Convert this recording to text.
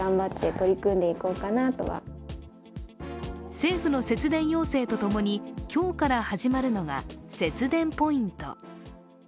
政府の節電要請とともに今日から始まるのが、節電ポイント。